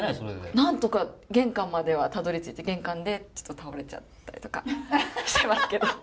なんとか玄関まではたどりついて玄関でちょっと倒れちゃったりとかしてますけど。